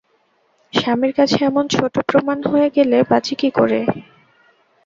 স্বামীর কাছে এমন ছোটো প্রমাণ হয়ে গেলে বাঁচি কী করে?